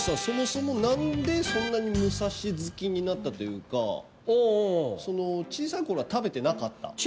そもそも何でそんなにむさし好きになったというかおお小さい頃は食べてなかった？